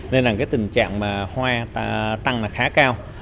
nên tình trạng hoa tăng khá cao